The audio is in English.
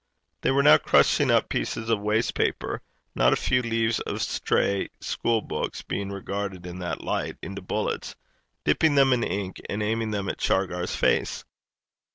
They were now crushing up pieces of waste paper, not a few leaves of stray school books being regarded in that light, into bullets, dipping them in ink and aiming them at Shargar's face.